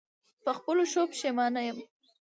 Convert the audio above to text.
په خپلو ښو پښېمانه یم.